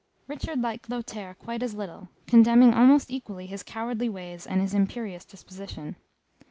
Richard liked Lothaire quite as little, contemning almost equally his cowardly ways and his imperious disposition.